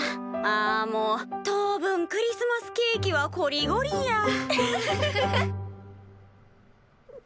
あもう当分クリスマスケーキはこりごりや。